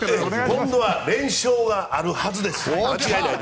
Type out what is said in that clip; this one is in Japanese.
今度は連勝があるはずです！